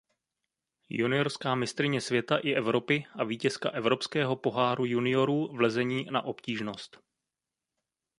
Juniorská mistryně světa i Evropy a vítězka Evropského poháru juniorů v lezení na obtížnost.